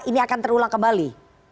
ini akan terulang kembali